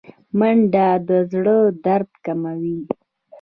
منډه د زړه درد کموي